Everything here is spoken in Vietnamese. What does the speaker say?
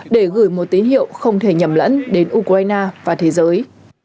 để gửi một tín hiệu không thể nhầm lẫn đến ukraine và thế giới